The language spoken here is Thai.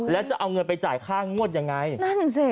แล้วจะเอาเงินไปจ่ายค่างวดยังไงนั่นสิ